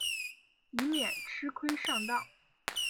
以免吃亏上当